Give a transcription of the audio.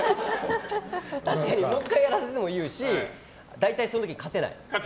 確かにもう１回やらせても言うし、大体その時勝てない。